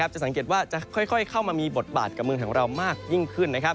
จะข้อยเข้ามามีบทบาทกับเมืองของเรามากยิ่งขึ้น